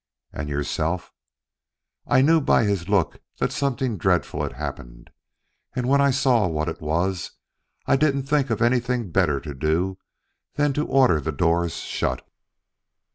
"And yourself?" "I knew by his look that something dreadful had happened, and when I saw what it was, I didn't think of anything better to do than to order the doors shut."